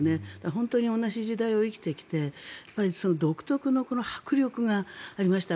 本当に同じ時代を生きてきて独特の迫力がありました。